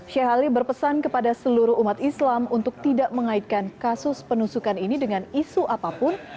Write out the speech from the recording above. sheikh ali berpesan kepada seluruh umat islam untuk tidak mengaitkan kasus penusukan ini dengan isu apapun